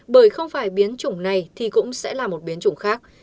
bởi không phải biến chủng này thì cũng sẽ là một biến chủng khác